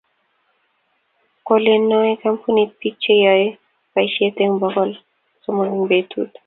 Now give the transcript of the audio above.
koleni noe kampunit biik che yoe boisie eng bokol somok eng betuu.